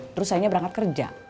terus sayangnya berangkat kerja